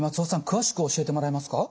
詳しく教えてもらえますか？